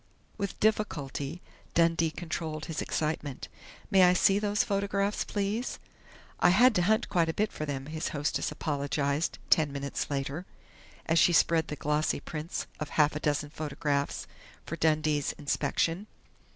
With difficulty Dundee controlled his excitement. "May I see those photographs, please?" "I had to hunt quite a bit for them," his hostess apologized ten minutes later, as she spread the glossy prints of half a dozen photographs for Dundee's inspection.